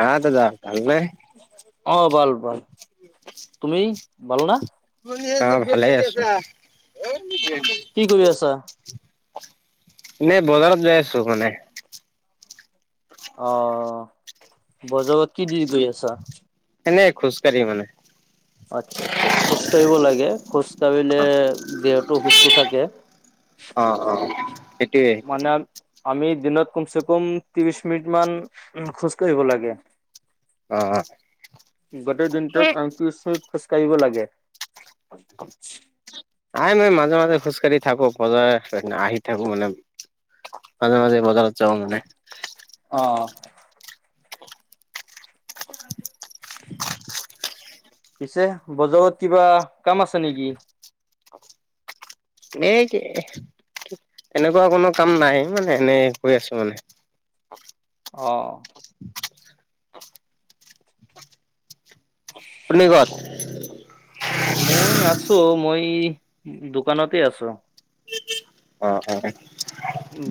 হা দাদা ভালনে? অ' ভাল ভাল, তুমি ভাল না? অ' ভালে আছোঁ। কি কৰি আছা? এনে বজাৰত যাই আছোঁ মানে। অ' বজাৰত কি দি গৈ আছা? এনেই খোজকাঢ়ি মানে। আচ্ছা আচ্ছা খোজ কঢ়িব লাগে খোজ কাঢ়িলে অ দেহটো সুস্থ থাকে। অ', অ', সেইটোৱে সেইটোৱে। মানে আমি দিনত কমছে কম ত্ৰিশ মিনিট মান খোজকাাঢ়িব লাগে। অ'। গোটেই দিনটোক আমি ত্ৰিশ মিনিট খোজকাঢ়িব লাগে। অই, মই মাজে মাজে খোজ কঢ়ি থাকোঁ বজাৰ আহি থাকো মানে। আদে মাজে বজাৰছে অঙণে অ য পিছে বজাৰত কিবা কাম আছে নেকি এই এনেকুৱা কোনো কাম নাই মানে এনে কৰি আছো মানে অ পুৰ্ণগত মই আছো মই দোকানতে আছো অ অ অ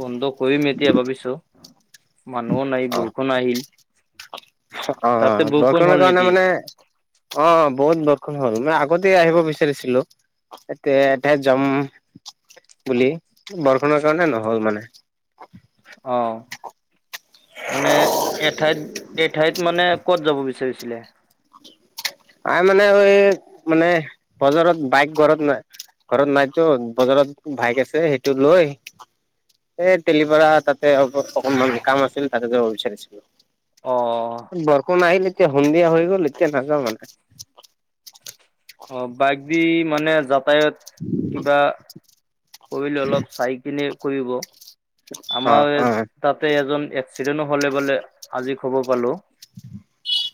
বন্ধ কৰিম এতিয়া ভাবিছো মানুহো নাই অ অ বহুখন আহিল অ তাতে বৰষুণ দৰ্শমান হ'ল কাৰণে নেকি? মানে অ বহুত বৰ্ষণ হ'ল মানে আগতে আহিব বিচাৰিছিলো এতিয়া এতিাই জম বুলি বৰষুণৰ কাৰণে নহ'ল মানে অ মানে এঠাইত এঠাইত মানে কত যাব বিচাৰিছিলে আই মানে ঐ মানে বজাৰত বাইক ঘৰত নাই ঘৰত নাইতো বজাৰত ভাইক আছে সেইটো লৈ এই তেলি পৰা তাতে অ অকণমান জিকাম আছিল তাতে য বিচাৰিছিলো অ বৰ্ষ ন আহিলে এতিয়া সন্ধিয়া হৈ গল এতিয়া নযাওঁ মানে অ বাইঘ দি মানে যাতায়ত কিবা কৰিলে অলপ চাই কিনে কৰিব অ আমাৰ অ তাতে এজন সিটোনো হলে বোলে আজি খবৰ পালো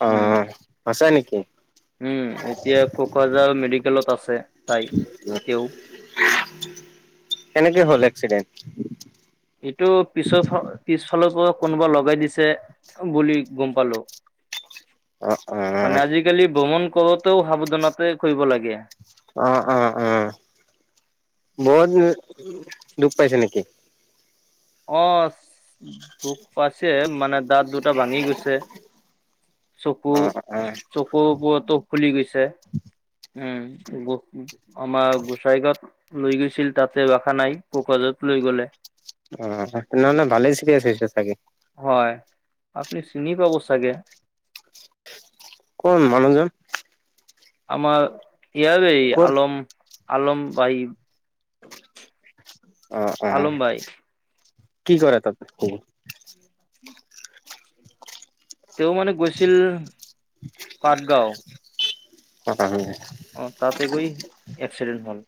অ উম আছে ন উম এতিয়া কোকৰাঝাৰ মেডিকেলত আছে তাই তেওঁ কেনেকে হ'ল এক্সিডেণ্ট এইটো পিছৰ পিছফালৰ পৰা কোনোবা লগাই দিছে বুলি গম পালো [inaudible] উ উম মানে উম আজিকালি ভ্ৰমণ কৰোঁতেও সাৱধানতে কৰিব লাগে অ অ অ বত দুখ পাইছে নেকি অ ধূপ পাইছে মানে দাঁত দুটা ভাঙি গৈছে চকু অ অ চকুৰ বোৰৰতো ফুলি গৈছে উমো আমাৰ গোসাই গত লৈ গৈছিল তাতে ৰখা নাই পোকজত লৈ গ'লে অ তেনেহে ভালেই চিৰি আছে হৈছে চাগে হয় আপুনি চিনি পাব চাগে কোন মনোঞ্জন আমাৰ ইাবে ক'ৰ আলম আলম ভাহ অ অ আলম ভাই কি কৰা তাত তেওঁ মানে গৈছিল পাটগাঁও কথা শ অ তাতে গৈ এক্সিডেণ্ট হ'ল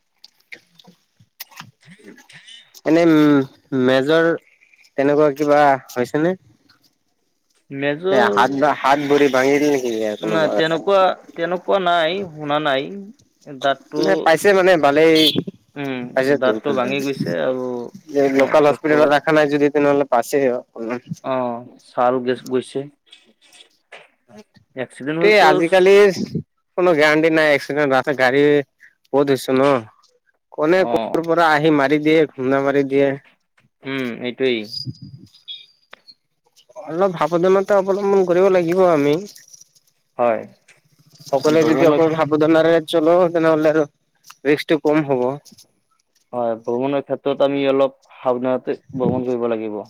এনেই উম মেজৰ তেনেকুৱা কিবা হৈছে নে মেজৰ হাত বা হাত ভৰি ভাঙি দি নেকি কোনো নাই বা তেনেকুৱা তেনেকুৱা নাই শুনা নাই দাঁতটো নে পাইছে মানে ভালেই উম, দাঁতটো ভাঙি গৈছে আৰু অ, লোক হ্পি চকুৰ নাই যদি তেনেহ'লে পাছে অকনমান অ ছাৰো গছ গৈছে এক্সিডেণ্ট এই হ'লতো আজিকালিৰ কোনো গেৰাণ্টি নাই এক্সিডেণ্ট ৰাস্তা গাড়ী বহুত হইছে ন কোনে অ, ক পৰা আহি মাৰি দিয়ে ঘুন্দা মাৰ উম এইটোয়ে অলপ ভাব দে মে অৱলম্বন কৰিব লাগিব আমি হয় সকলোৱে যদি ভ্ৰমণৰ আকৌ ভাব ৰেঞ্জৰ ল তেতিয়াহলে ৰিক্সতো কম হব হয় ভ্ৰমণৰ ক্ষেত্ৰত আমি অলপ সাৱধানতে ভ্ৰমণ কৰিব লাগিব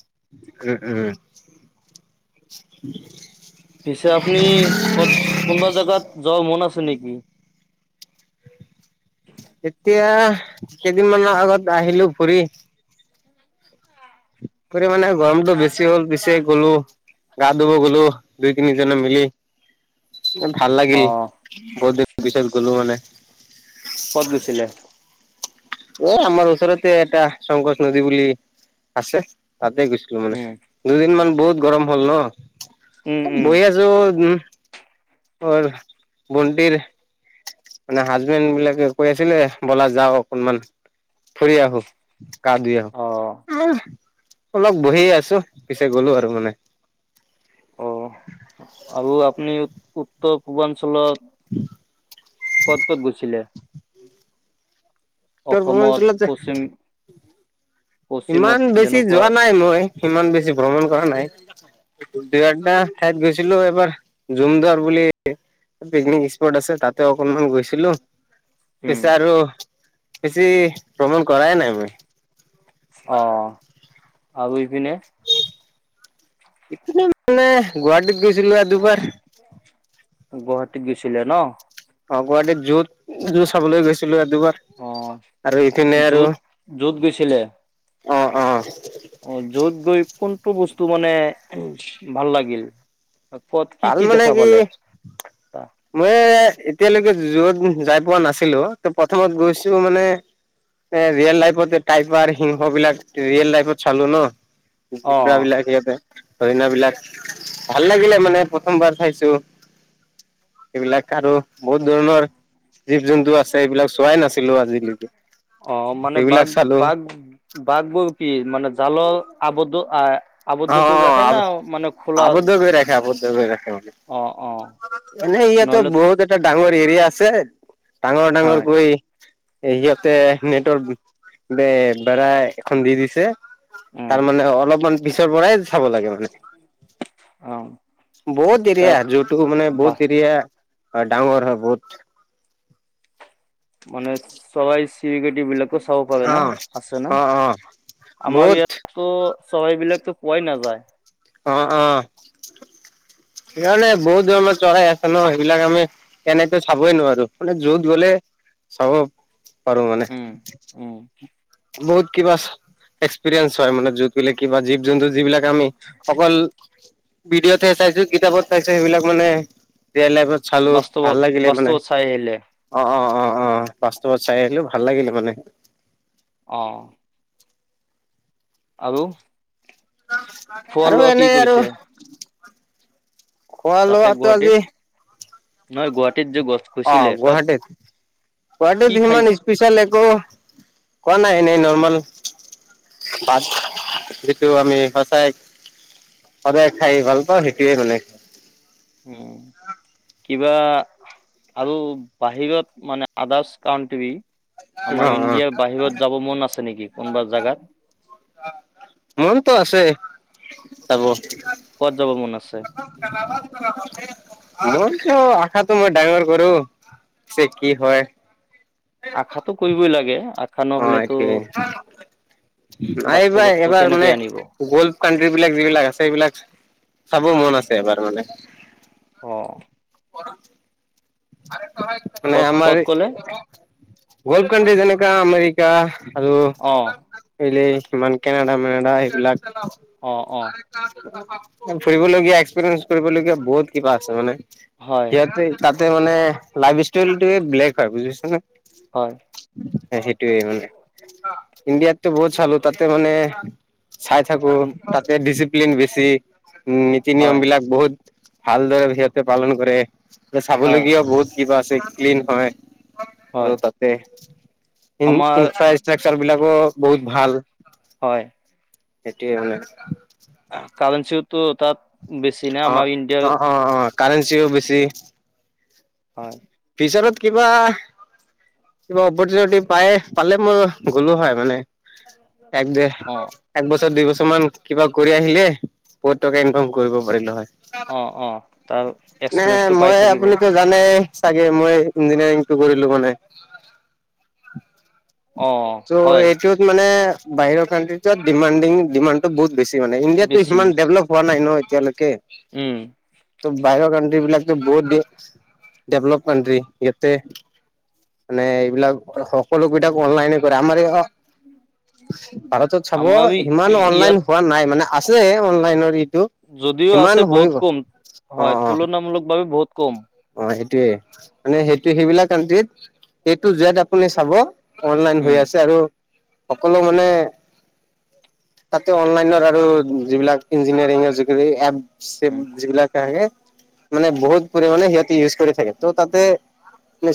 উম উম পিছে আপুনি ক'ত কোনবা জেগাত যোৱাৰ মন আছে নেকি এতিয়া কেইদিনমানৰ আগত আহিলো ফুৰি ফুৰি মানে গৰমতটো বেছি হ'ল পিছে গলো গা ধুব গলো দুই তিনি জনে মিলি ভাল অ, লাগিল বহুত দিনৰ পিছত গ'লো মানে কত গৈছিলে এই আমাৰ ওচৰতে এটা শংকৰ নদী বুলি আছে তাতে গৈছিলো মানে উম, দুদিন মান বহুত গৰম হ'ল উম, ন উম, বহি আছো উম অ ভণ্টিৰ মানে হাজবেণ্ড বিলাকে কৈ আছিলে বলা যাও অকনমান ফুৰি আহো গা ধুই আহো অ, আহ অলপ বহিয় আছো পিছে গলো আৰু মানে অ আৰু আপুনি উত্তৰ পূৰ্বাঞ্চলত ক'ত ক'ত হৈছিলে অসমত উত্তৰপূৰ্বা্চলত যে পশ্চিম পশ্চিমত ইমান বেছি যেনেকুৱা যোৱা নাই মই ইমান বেছি ভ্ৰমণ কৰা নাই দুঘণ্টা এটা ঠাইত গৈছিলো এবাৰ জুমদুৱাৰ বুলি পিকনিক স্পট আছে তাতে অকনমান গৈছিলো উম, পিছে আৰু বেছি ভ্ৰমণ কৰা নাই মই অ আৰু ইপিনে ইনে মানে গুৱাহাটীত গৈছিলো আৰু দুবাৰ গুৱাহাটীত গৈছিলে ন অ গুৱাহাটীত যুত যু চাবলৈ গৈছিলো এ দুবাৰ অ আৰু ইপিনে আৰু যত য'ত গৈছিলে অ অ অ যত গৈ কোনটো বস্তু মানে ভাল লাগিল কত কি ভাল কি মানে দেখা পালে মই এতিয়ালৈকে যত যাই পোৱা নাছিলো ত প্ৰথমত গৈছো মানে এ ৰিয়েল লাইফত টাইগাৰ সিংহ বিলাক ৰিয়েল লাইফত চালো ন অ জিবৰা বিলাক ইয়াতে হৰীণা বিলাক ভাল লাগিলে মানে প্ৰথমবাৰ চাইছো হেবিলাক আৰু বহুত ধৰণৰ জীৱ জন্তু আছে এইবিলাক চোৱাই নাছিলো আজিলৈকে অ মানে বাঘ এইবিলাক চালো বাঘ বাঘবোৰ কি মানে জালৰ আৱদ্ধ আহ আৱদ্ধ অ কৰি অ ৰাখে না মানে খোলা আবদ্ধ কৰি ৰাখে আবদ্ধ অ অ মানে ইয়াতো নহ'লে বহুত এটা ডাঙৰ এৰিয়া আছে ডাঙৰ ডাঙৰ হয় কৈ সিহঁতে নেটৱৰ্ ব বে় এখন দি দিছে উম তাৰ মানে অলপমান পিছৰ পৰাই চাব লাগে মানে অ বহুত তাত এৰিয়া যোটো মানে বাহ বহুত এৰিয়া ডাঙৰ হয় বহুত মানে চৰাই চিৰিকতি বিলাক চাব পাৰে ন অ', আছে ন অ', অ', আমাৰ বহুত ইয়াত ত' চবাই বিলাকতো পোৱাই নাযায় অ', সেইকাৰানে বহুত দৰ [unintelligible] চলাই আছো ন সেইবিলাক আমি কেনেতো চাবই নোৱাৰো মানে যত গলে চাব পাৰো মানে, উম, উম, বহুত কিবা এক্সপিৰিয়েন্ঞ্চ হয় মানে, যুত গাক কিবা জীৱ জন্তু যিবিলাক আমি ভিঅিত সেইবিলাক মানে চালো, ভাল বাস্তৱত লাগিলে মানে বাস্তৱত চাই আহিলে। অ, ' অ', অ', বাচতবাত চাই আহিলো ভাল লাগিলে মানে অ', আৰু খোৱা আৰু লোৱা কি এনেই আৰু কৰিছে খোৱা তাতে, লোৱাটো আজি গুৱাহাটীত নহয় গুৱাহাটীত যে গছ অ', গৈছিলে তাত গুৱাহাটীত গুৱাহাটীত কি হিমান নি খাইছে? পিছাল একো, কোৱা নাই এনেই নৰ্মৰ্মেল বাট যিটো আমি সচাই সদাই খাই ভাল ত সেইটে মানে উম কিবা আৰু বাহিৰত মানে, আদাৰছ [unintelligible] টি অ আমাৰ অ ইণ্ডিয়াৰ বাহিৰত যাব মন আছে নেকি, কোনোবা জোগাত মনটো আছে চাব ক'ত যাব মন আছে [unintelligible] মোৰ ক আশাটো মই ডাঙৰ কৰো, যে কি হয় আশাতো কৰিবই লাগে আশা অ', [unintelligible] নহ'লেতো এইবাৰ বাস্তৱতটো এইবাৰ কেনেকৈ মানে আনিব? গল্ফ কাানট্ৰ্ৰী বিলাক যিবিলাক আছে, সবিলাক চাব মন আছে এবাৰ মানে অ', অ', মানে, ক'ত ক'ত ক'লে? আমাৰল কণ্টি যেনেকাা আমেৰিকা অ', এইলে ইমানমান কেনডা মেনডা এইবিলাক অ', ফুৰিবলগীয়া এক্সপিৰিয়েঞ্চ ফলগীয়া বহুত কিবা আছে মানে হয়। সিহতে মানে, লাইভ ষ্টৰি ব্লেক হয় বুজিছ ন হয়, সেইটোৱে মানে, ইণ্ডিয়াততো বহুত চালো তাতে মানে চাই থাকো আম তাতে, ডিচিপ্লিন বেছি নীতি নিয়ম হয় বিলাক বহুত ভালদৰে সিহঁতে পালন কৰে হয় খাবলগীয়া বহুত কিবা আছে, ক্লিন হয় আৰু হয় তাতে ই আমাৰ ইনফ্ৰাষ্ট্ৰাকচাৰ বিলাকো বহুত ভাল হয় সেইটোৱে অনেক কাৰনিওতো তাত বেছি নাই আমাৰ ইণ্ডিয়াৰ কাৰাৰেণ্ট চ বেছি হয়। ফিচাৰত কিবা কিবা অপৰচুটি পাই, পালে মই গ'লো হয় মানে একদ অ একবছৰ দুই বছৰ মান কিবা কৰি আহিলে, বত টকা ইনকাম কৰিব পাৰিলো হয় অ', অ', তাৰ এক্সপিৰিয়েঞ্চটো পাই থাকিব চানে চাগে মই ইঞ্জিনিয়াৰিংটো কৰিলো মানে অ ত' হয় এইটোত মানে বাহিৰৰ কানট্ৰিটোত ডিমাণ্ডিং ডিাড- বহুতেছি মানে, ইণ্ডিয়াতো বেছি সিমানেভলপ হোৱা নাই ন এতিলৈকে উম ত' বাহিৰৰ কাণ্ট্ৰী বিলাক বহুত ডেভেলপ কাণ্ট্ৰী সিহঁতে মানে এইবিলাক সকলোকিতাক অনলাইনে কৰে আমাৰ এই অ ভাৰতত চাব আমাৰ ই ইিমান ইয়াত অনলাইন হোৱা নাই মানে আছে অনলাইনৰ ইটো যদিও ইমান আছে হৈ বহুত গ'ল কম অ হয় অ তুলনামূলকভাৱে বহুত কম। অ', সেইটোয়ে মানে সেইটো সেইবিলাক কাণ্ট্ৰীত এ টো জেদ যোৱাত আপুনি চাব অনলাইন উম হৈ আছে আৰু সকলো মানে তাতে অনলাইনৰ আৰু যিবিলাক ইঞ্জিনিয়াৰিঙৰ যিখিনি এপ ছেব উম যিবিলাক আহে মানে বহুত পৰা মানে ইউজ কৰি থাকে ত' তাতে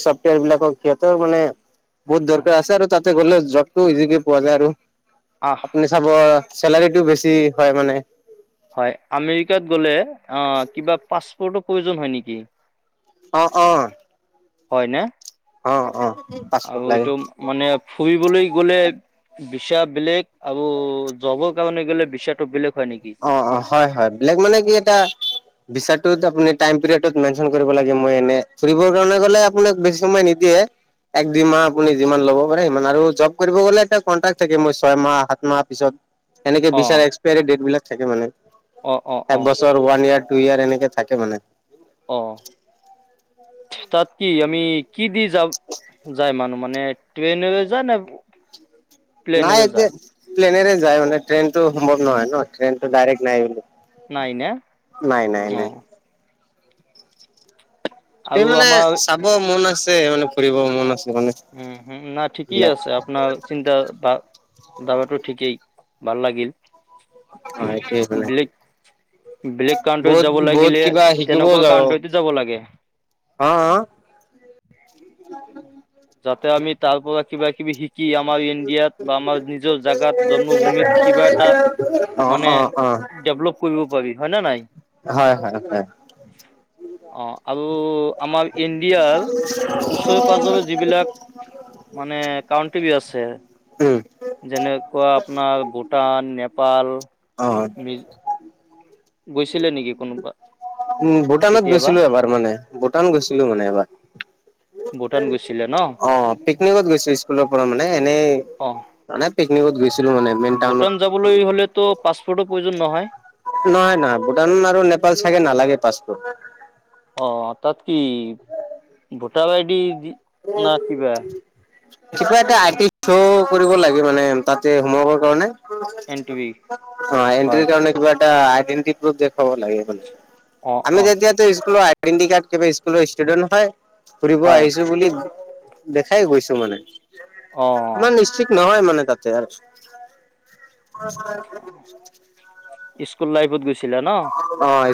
চফ্টৱেৰ বিলাকক সিহঁতৰ মানে বহুত অ', দৰকাৰ আছে আৰু তাতে গ'লে জবটো ইজিকে পোৱা যায় আৰু আহ। আপুনি চাব চেলাৰীটো বেছি হয় মানে হয় আমেৰিকাত গ'লে অ, কিবা পাছপৰ্টৰ প্ৰয়োজন হয় নেকি? অ', অ'। হয় না? অ', অ'। পাছপৰ্ট আৰু লাগে এইটো মানে ফুৰিবলৈ গ'লে বিচা বেলেগ আৰু যবৰ কাৰণে গ'লে বিচাটো বেলেগ হয় নেকি? অ', অ', হয় - হয় বেলেগ মানে কি এটা ভিছাতুটো আপুনি টাইম পিৰিয়ডত মেনচন কৰিব লাগে, মই এনে ফুৰিব কাৰণে গলে আপোনাক বেছি সময় নিদিয়ে এক দুই মাহ আপুনি যিমান ল'ব পাৰে সিমান আৰু জব কৰিব গলে এটা কনট্ৰেক্ট থাকে মই ছয় মাহ, সাত মাহ পিছত এনেকে অ', বিচাৰ এক্সপায়াৰী ডেট বিলাক থাকে মানে। অ', অ', এক অ'। ওৱান ইয়াৰ টো ইয়াৰ এনেকে থাকে মানে। অ', তাত কি আমি কি দি যা-যায় মানুহ মানে ট্ৰেইনেৰে যায় না নাই এতিয়া প্লেনেৰে যায় মানে ট্ৰেইনটো সম্ভৱ নহয় ন' ট্ৰেইনতটো ডাইৰেক্ট নাই বুলি নাই না? নাই, নাই, নাই অ', টেও আৰু মানে আমাৰ চাব মন আছে মানে ফুৰিব মন আছে মানে উম, হুম, নাই ঠিকেই এইবিলাক। আছে আপোনাৰ চিন্তা ধা-ধাৰাটো ঠিকেই, ভাল লাগিল। অ' এইটোৱে মানে ব্লেক বেলেগ কাউন্ট্ৰীত বহুত যাব বহুত লাগিলে কিবা তেনেকুৱা কাউণ্ট্ৰীতে যাব লাগে। অ', অ', যাতে আমি তাৰ পৰা কিবা কিবি শিক কি আমাৰ ইণ্ডিয়াত বা আমাৰ নিজৰ জাগাত জন্মভূমিত কিবা এটা অ' মানে অ' অ' ডেভেলপ কৰিব পাৰি হয় নে নাই? হয় হয় হয় অ', আৰু আমাৰ ইণ্ডিয়াৰ ওচৰে পাঁজৰে যিবিলাক মানে কাউনট্ৰী আছে উম, যেনেকুৱা আপোনাৰ ভূটান, নেপাল অ'। মিল গৈছিলে নেকি কোনোবা? উম, ভূটানত কেতিয়াবা? গৈছিলো এবাৰ মানে ভূটান গৈছিলো মানে এবাৰ। ভূটান গৈছিলে ন? অ', পিকনিকত গৈছিলো স্কুলৰ পৰা মানে এনেই অ'। মানে পিকনিকত গৈছিলো মানে। মেইন টাউনত। ভূটান যাবলৈ হ'লেতো পাছপৰ্টৰ প্ৰয়োজন নহয়? নহয়, নহয়, ভূটান আৰু নেপাল চাগে নালাগে পাছপৰ্ট। অ', তাত কি ভোটাৰ আই ডি দি [inaudible] কিবা এটা আৰ্টি শ্ব' কৰিব লাগে মানে তাতে সোমোৱাবৰ কাৰণে। এন টি বি অ' হয়। এন্ট্ৰিৰ কাৰণে কিবা এটা আইডেণ্টি প্ৰ'ফ দেখুৱাব লাগে মানে। অ' আমি অ'। যেতিয়োটো স্কুলৰ আইডেণ্টি কাৰ্ড কিবা স্কুলৰ ষ্টুডেণ্ট হয়, ফুৰিব হয় আহিছোঁ বুলি দেখাই গৈছো মানে, অ ইমান নি চিক নহয় মানে তাতে আৰু। স্কুল লাইফত গৈছিলা ন? অ' স্কো